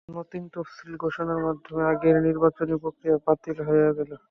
এখন নতুন তফসিল ঘোষণার মাধ্যমে আগের নির্বাচনী প্রক্রিয়া বাতিল হয়ে গেল।